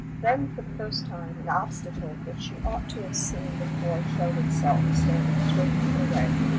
Then, for the first time, an obstacle which she ought to have seen before showed itself, standing straight in her way.